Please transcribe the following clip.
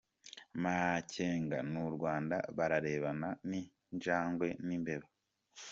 “Makenga n’u Rwanda bararebana nk’injangwe n’imbeba”